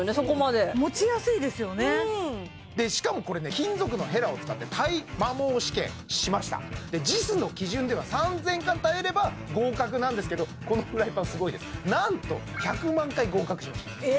金属のヘラを使って耐摩耗試験しましたでＪＩＳの基準では３０００回耐えれば合格なんですけどこのフライパンすごいですなんと１００万回合格しました・え！